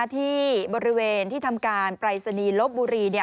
ที่บริเวณที่ทำการปรายศนีย์ลบบุรี